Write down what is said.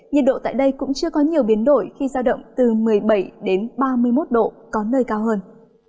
nhiệt độ tại đây cũng chưa có nhiều biến đổi khi giao động từ một mươi bảy đến ba mươi một độ có nơi cao hơn